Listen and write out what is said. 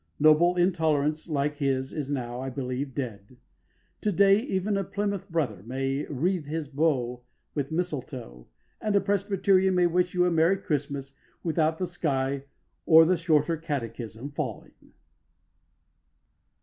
Noble intolerance like his is now, I believe, dead. To day even a Plymouth Brother may wreathe his brow with mistletoe, and a Presbyterian may wish you a merry Christmas without the sky or the Shorter Catechism falling.